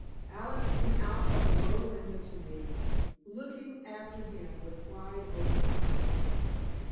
Alice came out of the low window to me, looking after him with wide open eyes.